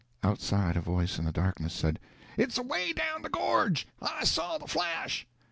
Outside, a voice in the darkness said, "It's away down the gorge; I saw the flash."